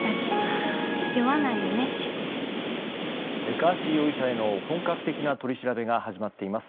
ガーシー容疑者への本格的な取り調べが始まっています。